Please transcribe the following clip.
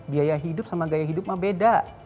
biaya hidup sama gaya hidup mah beda